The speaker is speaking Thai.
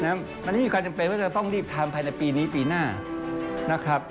อันนี้มีความจำเป็นว่าจะต้องรีบทำภายในปีนี้ปีหน้านะครับ